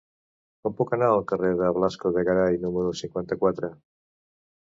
Com puc anar al carrer de Blasco de Garay número cinquanta-quatre?